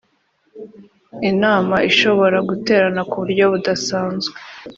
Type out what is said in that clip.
inama ishobora guterana ku buryo budasanzwe